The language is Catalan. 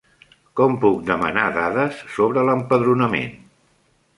Com puc demanar dades sobre l'empadronament?